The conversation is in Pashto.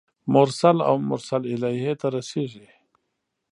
مرسل او مرسل الیه ته رسیږي.